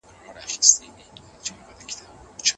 سیاستوال د سیاست پر علمي والي شک نه لري.